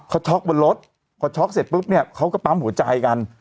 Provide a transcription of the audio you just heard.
เขาช็อกบนรถพอช็อกเสร็จปุ๊บเนี่ยเขาก็ปั๊มหัวใจกัน